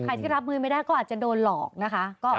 ที่รับมือไม่ได้ก็อาจจะโดนหลอกนะคะ